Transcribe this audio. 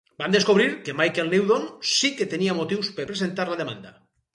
Van descobrir que Michael Newdow sí que tenia motius per presentar la demanda.